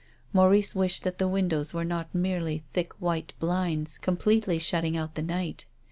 Maurice wished that the windows were not merely thick white blinds completely shutting out the night.